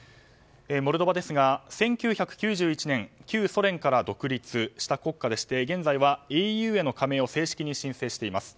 モルドバですが１９９１年、旧ソ連から独立した国家でして現在はＥＵへの加盟を正式に申請しています。